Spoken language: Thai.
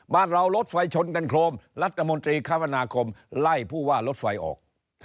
บ้านเรารถไฟชนกันโครมรัฐมนตรีคมนาคมไล่ผู้ว่ารถไฟออก